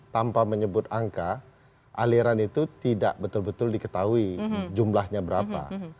tanpa menyebut angka aliran itu tidak betul betul diketahui jumlahnya berapa